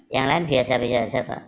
yang lain biasa biasa pak